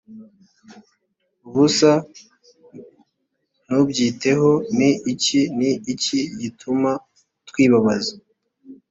ubusa ntubyiteho ni iki ni iki gituma twibabaza